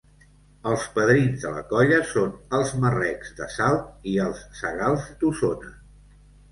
Els padrins de la colla són els Marrecs de Salt i els Sagals d'Osona.